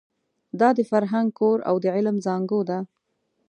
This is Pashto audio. دا د فرهنګ کور او د علم زانګو ده.